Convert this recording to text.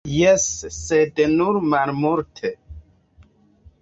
Jes, sed nur malmulte.